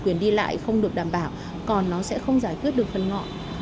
quyền đi lại không được đảm bảo còn nó sẽ không giải quyết được phần ngọn